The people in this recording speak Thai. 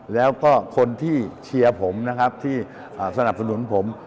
แล้วก็คนที่เชียร์ผมนะครับที่สนับสนุนผม